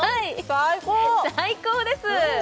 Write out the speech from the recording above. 最高です